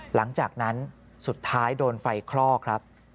หลังจากนั้นสุดท้ายโดนไฟคลอกครับ